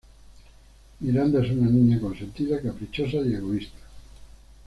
Miranda es una niña consentida, caprichosa y egoísta.